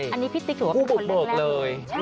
อันนี้พี่ติ๊กถือว่าเป็นคนเลือกแล้ว